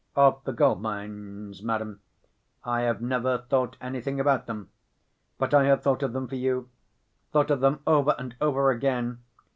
"Of the gold‐mines, madam? I have never thought anything about them." "But I have thought of them for you. Thought of them over and over again.